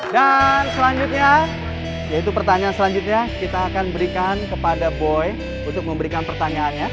dan selanjutnya yaitu pertanyaan selanjutnya kita akan berikan kepada boy untuk memberikan pertanyaannya